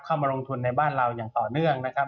เข้ามาลงทุนในบ้านเราอย่างต่อเนื่องนะครับ